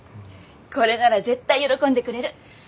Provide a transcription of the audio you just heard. これなら絶対喜んでくれる。